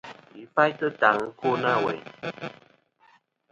Yi faytɨ taŋ ɨkwo nâ weyn.